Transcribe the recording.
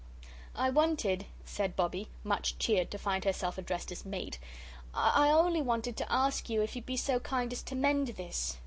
"I wanted," said Bobbie, much cheered to find herself addressed as 'Mate' "I only wanted to ask you if you'd be so kind as to mend this."